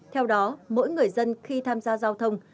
theo đó mỗi người dân khi tham gia giao thông